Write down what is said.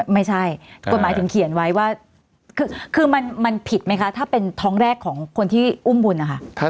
ไม่ใช่กฎหมายถึงเขียนไว้ว่าคือมันผิดไหมคะถ้าเป็นท้องแรกของคนที่อุ้มบุญนะคะ